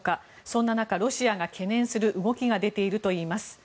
そんな中ロシアが懸念する動きが出ているといいます。